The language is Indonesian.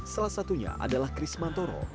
salah satunya adalah chris mantoro